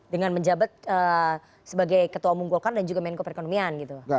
dengan menjabat sebagai ketua umum golkar dan juga menko perekonomian gitu